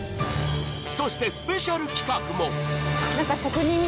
そしてスペシャル企画も。